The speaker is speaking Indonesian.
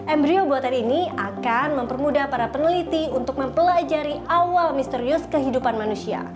embryo buatan ini akan mempermudah para peneliti untuk mempelajari awal misterius kehidupan manusia